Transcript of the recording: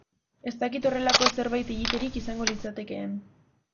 Ez dakit horrelako zerbait egiterik izango litzatekeen.